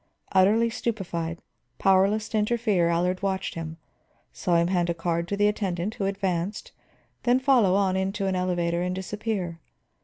Utterly stupefied, powerless to interfere, Allard watched him; saw him hand a card to the attendant who advanced, then follow on into an elevator and disappear.